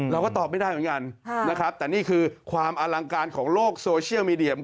เราก็ตอบไม่ได้เหมือนกันนะครับแต่นี่คือความอลังการของโลกโซเชียลมีเดีย